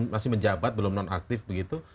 masih menjabat belum nonaktif begitu